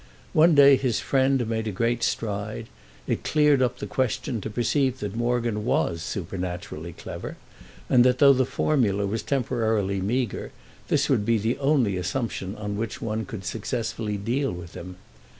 One day his friend made a great stride: it cleared up the question to perceive that Morgan was supernaturally clever and that, though the formula was temporarily meagre, this would be the only assumption on which one could successfully deal with him.